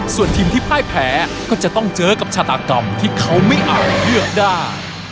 ส่วนทีมที่พ่ายแพ้ก็จะต้องเจอกับชาตากรรมที่เขาไม่อาจเลือกได้